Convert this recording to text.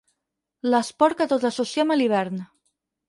L'esport que tots associem a l'hivern.